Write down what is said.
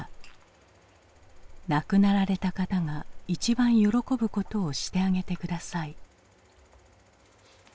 「亡くなられた方が一番喜ぶことをしてあげて下さい」。